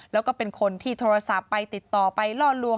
แล้วก็เป็นคนที่โทรศัพท์ไปติดต่อไปล่อลวง